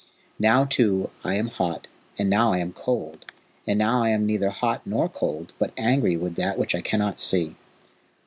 Now, too, I am hot and now I am cold, and now I am neither hot nor cold, but angry with that which I cannot see.